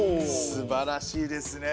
すばらしいですね。